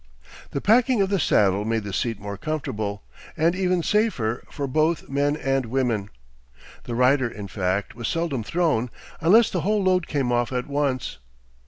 The packing of the saddle made the seat more comfortable, and even safer, for both men and women. The rider, in fact, was seldom thrown unless the whole load came off at once.